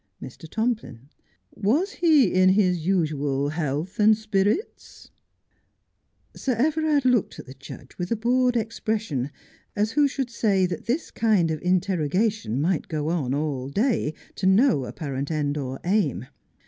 Mr. Tomplin : "Was he in his usual health and spirits ? Sir Everard looked at the judge with a bored expression, as who should say that this kind of interrogation might go on all day, to no apparent end or aim.